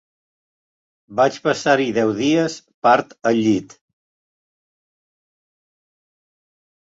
Vaig passar-hi deu dies, part al llit.